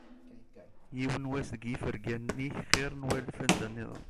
Yiwen n wass deg yifergan-ik xir n walef anda-nniḍen.